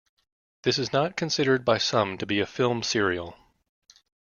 This is not considered by some to be a film serial.